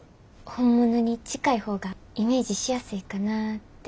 本物に近い方がイメージしやすいかなって。